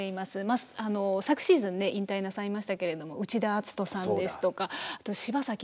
あの昨シーズンね引退なさいましたけれども内田篤人さんですとか柴崎岳選手